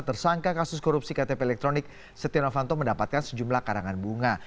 tersangka kasus korupsi ktp elektronik setia novanto mendapatkan sejumlah karangan bunga